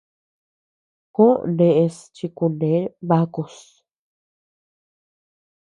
Juó neʼes chi kune bakus.